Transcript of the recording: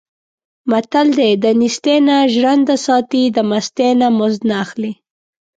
متل دی: دنېستۍ نه ژرنده ساتي، د مستۍ نه مزد نه اخلي.